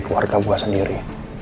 keluarga gue sendiri